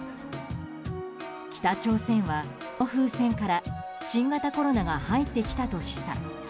北朝鮮は、この風船から新型コロナが入ってきたと示唆。